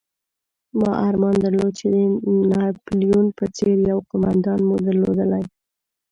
ما ارمان درلود چې د ناپلیون په څېر یو قومندان مو درلودلای.